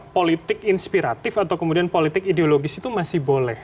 politik inspiratif atau kemudian politik ideologis itu masih boleh